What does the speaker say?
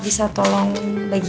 bisa ke ruangan saya